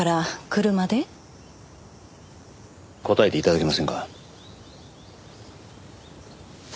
答えて頂けませんか？